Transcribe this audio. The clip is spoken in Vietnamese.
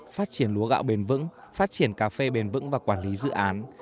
phát triển lúa gạo bền vững phát triển cà phê bền vững và quản lý dự án